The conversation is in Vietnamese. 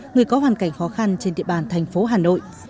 người có hoàn cảnh khó khăn trên địa bàn thành phố hà nội